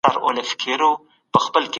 معلومات د تجربو له لارې راټولېږي.